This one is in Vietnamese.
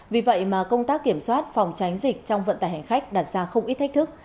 vì vậy mà công tác kiểm soát phòng tránh dịch trong vận tải hành khách đặt ra không ít thách thức